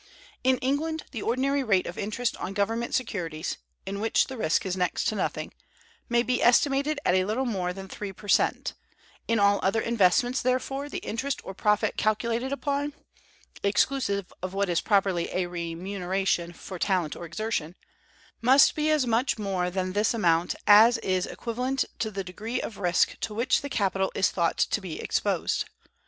In England, the ordinary rate of interest on government securities, in which the risk is next to nothing, may be estimated at a little more than three per cent: in all other investments, therefore, the interest or profit calculated upon (exclusively of what is properly a remuneration for talent or exertion) must be as much more than this amount as is equivalent to the degree of risk to which the capital is thought to be exposed.